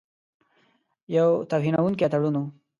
یو توهینونکی تړون وو.